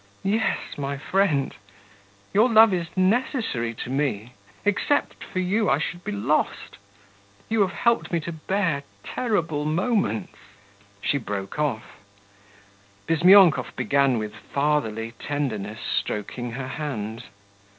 Yes, my friend, your love is necessary to me; except for you, I should be lost. You have helped me to bear terrible moments ...' She broke off ... Bizmyonkov began with fatherly tenderness stroking her hand.